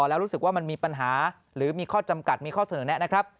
แล้วรู้สึกว่ามันมีปัญหาหรือมีข้อจำกัดมีข้อเสนอแนะนะครับ